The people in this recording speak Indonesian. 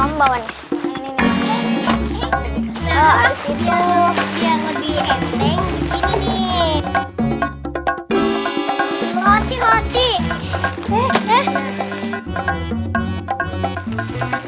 nanti dia ngetik enteng